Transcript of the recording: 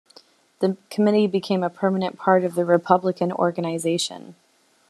The Committee became a permanent part of the Republican organization.